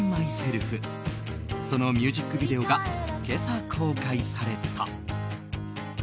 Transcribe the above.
そのミュージックビデオが今朝公開された。